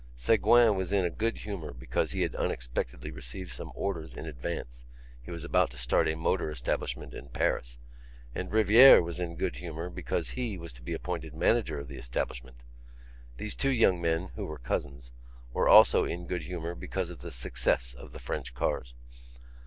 Ségouin was in good humour because he had unexpectedly received some orders in advance (he was about to start a motor establishment in Paris) and Rivière was in good humour because he was to be appointed manager of the establishment; these two young men (who were cousins) were also in good humour because of the success of the French cars.